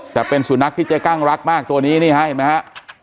แต่เป็นสุนัขที่เจ๊กั้งรักมากตัวนี้นี่ฮะเห็นไหมฮะ